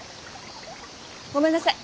ごめんなさい。